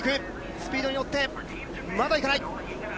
スピードに乗って、まだ行かない。